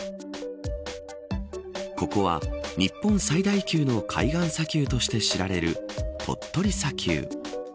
ここは、日本最大級の海岸砂丘として知られる鳥取砂丘。